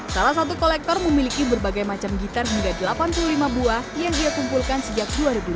salah satu kolektor memiliki berbagai macam gitar hingga delapan puluh lima buah yang dia kumpulkan sejak dua ribu lima